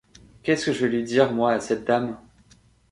Qu'est-ce que je vais lui dire, moi, à cette dame ?